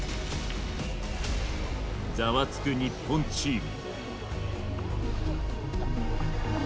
ざわつく日本チーム。